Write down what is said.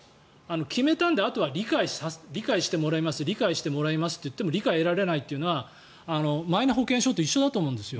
決めたんであとは理解してもらいます理解してもらいますと言っても理解を得られないというのはマイナ保険証と一緒だと思うんです。